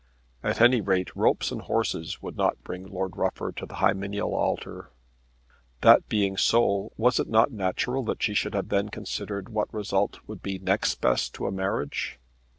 At any rate ropes and horses would not bring Lord Rufford to the hymeneal altar. That being so was it not natural that she should then have considered what result would be next best to a marriage?